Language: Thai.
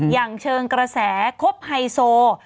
อย่างเชิงกระแสคบไฮโซ